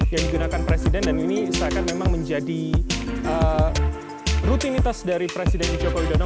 yang digunakan presiden dan ini seakan memang menjadi rutinitas dari presiden joko widodo